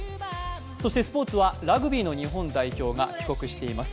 そしてスポーツはラグビーの日本代表が帰国しています。